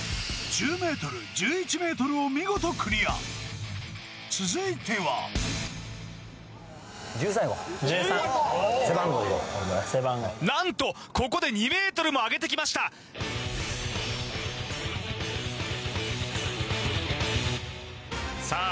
１０ｍ１１ｍを見事クリア続いては何とここで２ｍも上げてきましたさあ